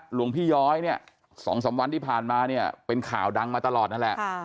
หลวงพี่ย้อยเนี่ย๒๓วันที่ผ่านมาเนี่ยเป็นข่าวดังมาตลอดนั่นแหละ